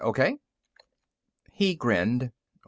O.K.?" He grinned.